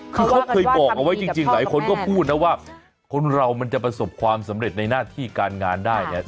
คือเขาเคยบอกเอาไว้จริงหลายคนก็พูดนะว่าคนเรามันจะประสบความสำเร็จในหน้าที่การงานได้เนี่ย